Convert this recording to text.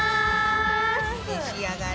召し上がれ。